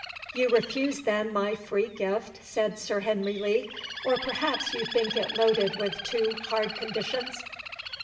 "You refuse then my free gift," said Sir Henry Lee; "or perhaps you think it loaded with too hard conditions?"